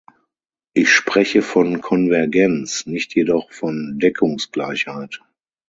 Ich spreche von Konvergenz, nicht jedoch von Deckungsgleichheit.